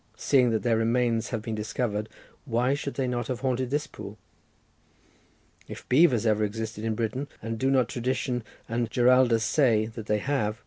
seeing that their remains have been discovered, why should they not have haunted this pool? If beavers ever existed in Britain, and do not tradition and Giraldus say that they have?